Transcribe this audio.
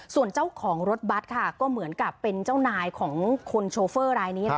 ส่วนเจ้าของรถบัตรค่ะก็เหมือนกับเป็นเจ้านายของคนโชเฟอร์รายนี้